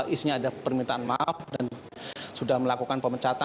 isinya ada permintaan maaf dan sudah melakukan pemecatan